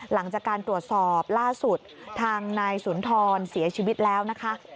หลังจากการตรวจสอบล่าสุดทางนายสุนทรเสียชีวิตแล้วนะคะ